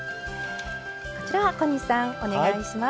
こちらは小西さん、お願いします。